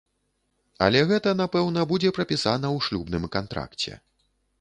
Але гэта, напэўна, будзе прапісана ў шлюбным кантракце.